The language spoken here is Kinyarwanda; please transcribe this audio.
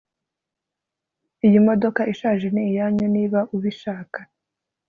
iyi modoka ishaje ni iyanyu niba ubishaka